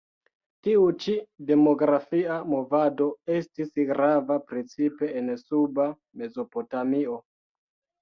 Tiu ĉi demografia movado estis grava precipe en Suba Mezopotamio.